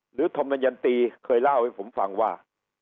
ธมนยันตีเคยเล่าให้ผมฟังว่า